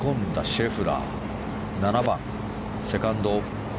シェフラー７番、セカンド。